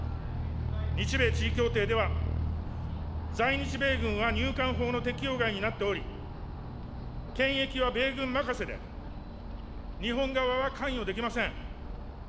日米地位協定では、在日米軍は入管法の適用外になっており、検疫は米軍任せで、日本側は関与できません。